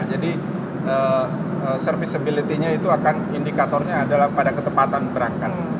jadi serviceability nya itu akan indikatornya adalah pada ketepatan berangkat